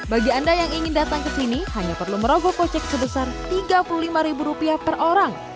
bagi anda yang ingin datang ke sini hanya perlu merogoh kocek sebesar tiga puluh lima ribu rupiah per orang